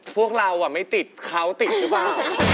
พวกเราไม่ติดเขาติดหรือเปล่า